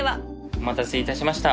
お待たせいたしました。